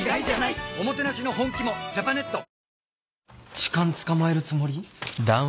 痴漢捕まえるつもり？